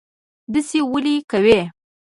داسی ولې کوي